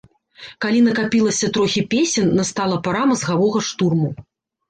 Калі накапілася трохі песен, настала пара мазгавога штурму.